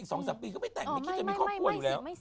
สองสามปีก็ไม่แต่งไม่คิดจะมีครอบครัวอยู่แล้ว